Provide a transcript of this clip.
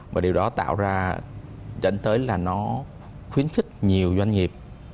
và điều đó tạo ra dẫn tới là nó khuyến khích nhiều doanh nghiệp